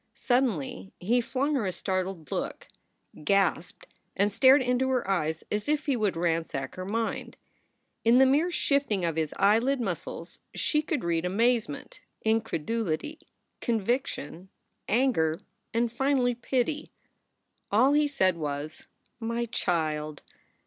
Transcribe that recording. Suddenly he flung her a startled look, gasped, and stared into her eyes as if he would ransack her mind. In the mere shifting of his eyelid muscles she could read amazement, incredulity, conviction, anger, and finally pity. All he said was, "My child!"